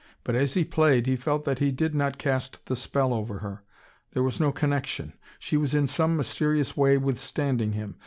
But as he played, he felt that he did not cast the spell over her. There was no connection. She was in some mysterious way withstanding him.